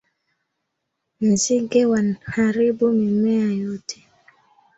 Nzige wanharibu mimea yote